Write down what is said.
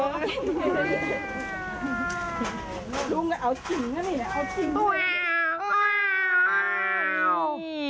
ลุงอ่ะเอาจริงนะนี่เอาจริง